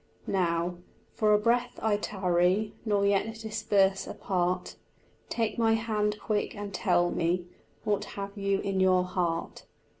Now for a breath I tarry Nor yet disperse apart Take my hand quick and tell me, What have you in your heart.